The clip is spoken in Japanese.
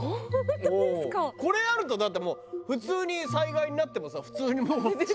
これあるとだってもう普通に災害になってもさ普通にもう。